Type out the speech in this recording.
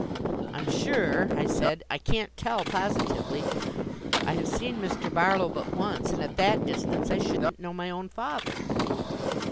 "I'm sure," I said, "I can't tell, positively. I have seen Mr. Barlow but once, and at that distance I shouldn't know my own father."